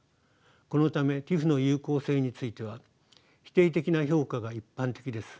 このためＴＩＰＨの有効性については否定的な評価が一般的です。